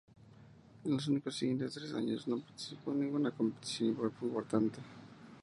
En los siguientes tres años no participó en ninguna competición importante.